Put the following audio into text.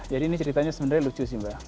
jadi ini ceritanya sebenarnya lucu sih mbak